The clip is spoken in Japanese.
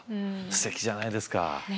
すてきじゃないですか。